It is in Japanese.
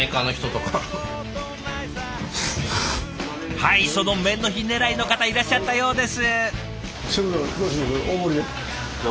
はいその麺の日狙いの方いらっしゃったようです。